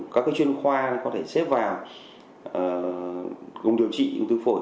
các chuyên khoa có thể xếp vào vùng điều trị ung thư phổi